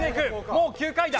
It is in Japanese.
もう９回だ。